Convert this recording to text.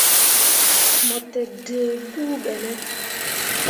Mo te dǝǝ guu ɓe ne ?